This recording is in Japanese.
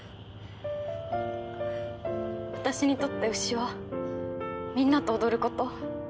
私にとって牛はみんなと踊ること。